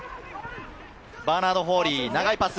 バーナード・フォーリー、長いパス。